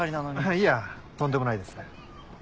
いやとんでもないです。